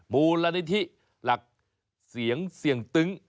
มูลนิธิหลักเสียงเสียงตึ้ง